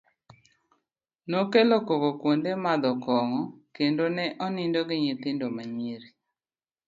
,nokelo koko kwonde madho kong'o kendo ne onindo gi nyithindo ma nyiri